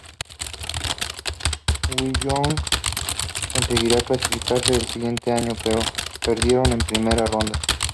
Wyoming conseguiría clasificarse el siguiente año, pero perdieron en primera ronda.